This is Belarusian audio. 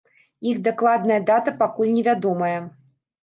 Іх дакладная дата пакуль невядомая.